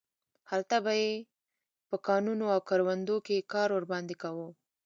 هلته به یې په کانونو او کروندو کې کار ورباندې کاوه.